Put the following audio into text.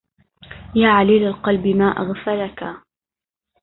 يا عليل القلب ما أغفلكا